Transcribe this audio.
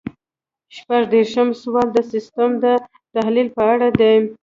شپږ دېرشم سوال د سیسټم د تحلیل په اړه دی.